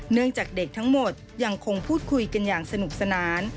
เนื่องจากเด็กทั้งหมดยังคงพูดคุยกันอย่างสนุกสนาน